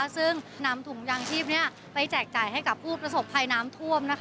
ซึ่งนำถุงยางชีพไปแจกจ่ายให้กับผู้ประสบภัยน้ำท่วม